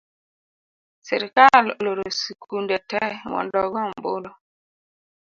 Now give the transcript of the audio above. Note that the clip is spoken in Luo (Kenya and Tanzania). Sirikal oloro sikunde tee mondo ogoo ombulu